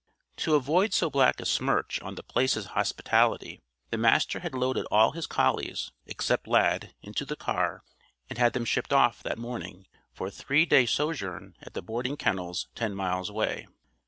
To avoid so black a smirch on The Place's hospitality, the Master had loaded all his collies, except Lad, into the car, and had shipped them off, that morning, for a three day sojourn at the boarding kennels, ten miles away.